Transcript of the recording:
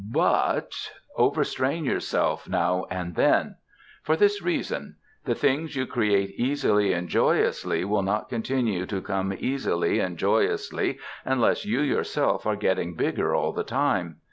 BUT ... overstrain yourself now and then. For this reason: The things you create easily and joyously will not continue to come easily and joyously unless you yourself are getting bigger all the time.